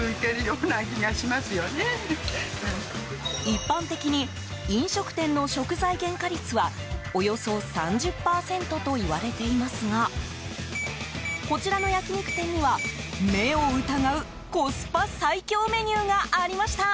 一般的に飲食店の食材原価率はおよそ３０％といわれていますがこちらの焼き肉店には目を疑うコスパ最強メニューがありました。